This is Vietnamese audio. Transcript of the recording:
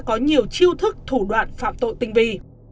có nhiều chiêu thức thủ đoạn phạm tội tình vị